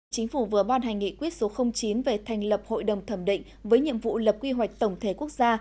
chính phủ vừa ban hành nghị quyết số chín về thành lập hội đồng thẩm định với nhiệm vụ lập quy hoạch tổng thể quốc gia